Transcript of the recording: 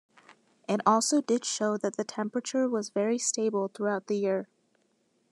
It also did show that the temperature was very stable throughout the year.